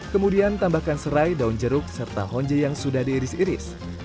kemudian tambahkan serai daun jeruk serta honje yang sudah diiris iris